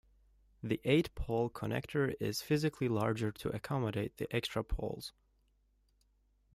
The eight-pole connector is physically larger to accommodate the extra poles.